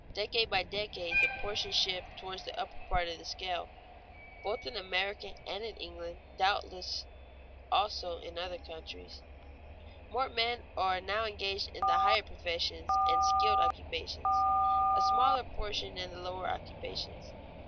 Decade by decade the proportion shifts toward the upper part of the scale. Both in America and in England (doubtless also in other countries) more men are now engaged in the higher professions and skilled occupations, a smaller proportion in the lower occupations.